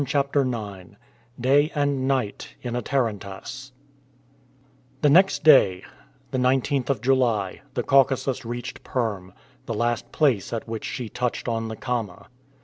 CHAPTER IX DAY AND NIGHT IN A TARANTASS THE next day, the 19th of July, the Caucasus reached Perm, the last place at which she touched on the Kama.